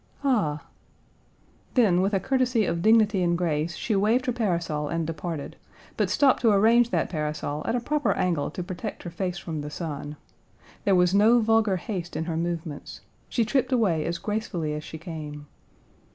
"Ah!" Then, with a courtesy of dignity and grace, she waved her parasol and departed, but stopped to arrange that parasol at a proper angle to protect her face from the sun. There was no vulgar haste in her movements. She tripped away as gracefully as she came.